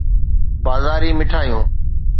بازاري مٺايون